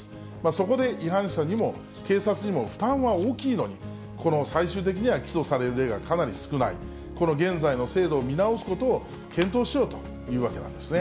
そこで、違反者にも警察にも負担は大きいのに、この最終的には起訴される例がかなり少ない、この現在の制度を見直すことを検討しようというわけなんですね。